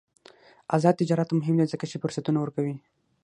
آزاد تجارت مهم دی ځکه چې فرصتونه ورکوي.